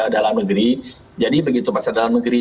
dalam negeri jadi begitu pasar dalam negeri